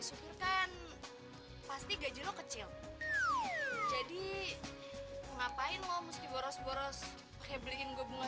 syukur kan pasti gaji kecil jadi ngapain lo musti boros boros pake beliin gua bunga